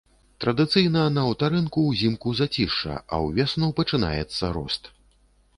Традыцыйна на аўтарынку ўзімку зацішша, а ўвесну пачынаецца рост.